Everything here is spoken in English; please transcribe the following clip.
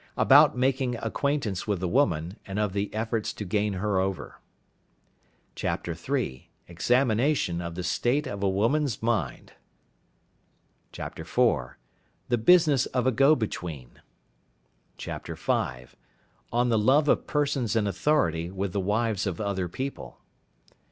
About making Acquaintance with the Woman, and of the efforts to gain her over. " III. Examination of the State of a Woman's mind. " IV. The business of a Go between. " V. On the Love of Persons in authority with the Wives of other People.